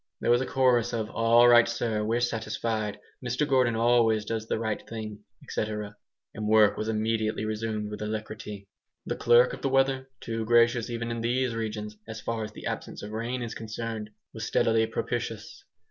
There was a chorus of "All right sir, we're satisfied. Mr Gordon always does the fair thing." &c. And work was immediately resumed with alacrity. The clerk of the weather, too gracious even in these regions as far as the absence of rain is concerned, was steadily propitious.